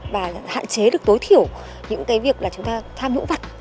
và hạn chế được tối thiểu những cái việc là chúng ta tham nhũng vặt